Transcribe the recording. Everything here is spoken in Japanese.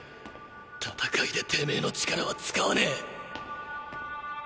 戦いでてめぇの力は使わねぇ！